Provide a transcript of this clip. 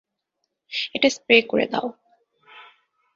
এটা স্প্রে করে দাও।